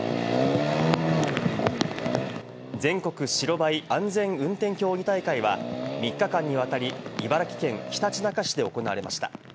全国白バイ安全運転競技大会は３日間にわたり茨城県ひたちなか市で行われました。